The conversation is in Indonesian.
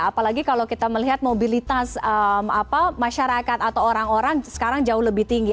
apalagi kalau kita melihat mobilitas masyarakat atau orang orang sekarang jauh lebih tinggi